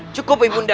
cukup ibu nda